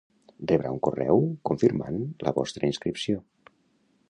Rebreu un correu confirmant la vostra inscripció.